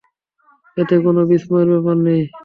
এতে কোন বিস্ময়ের ব্যাপার নেই।